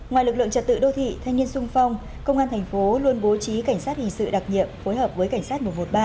ngoài lực lượng trật tự đô thị thanh niên sung phong công an thành phố luôn bố trí cảnh sát hình sự đặc nhiệm phối hợp với cảnh sát một trăm một mươi ba